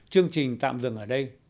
chương trình tạm dừng ở đây